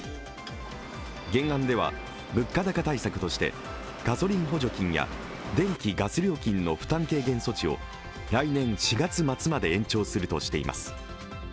原案では物価高対策として、ガソリン補助金や、電気・ガス料金の負担軽減措置を来年４月末まで延長するとしています。